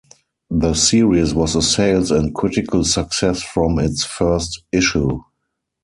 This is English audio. The series was a sales and critical success from its first issue.